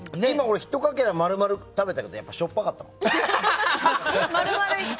ひとかけら丸々食べたけどしょっぱかった。